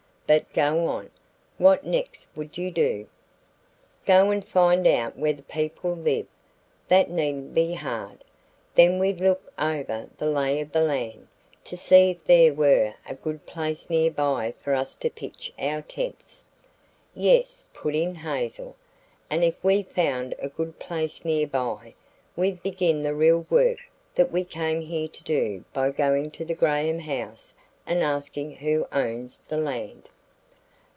But go on. What next would you do?" "Go and find out where the people live. That needn't be hard. Then we'd look over the lay of the land to see if there were a good place nearby for us to pitch our tents." "Yes," put in Hazel; "and if we found a good place nearby, we'd begin the real work that we came here to do by going to the Graham house and asking who owns the land."